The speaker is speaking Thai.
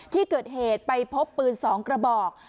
ที่เกิดเหตุไปพบปืน๒กระบอก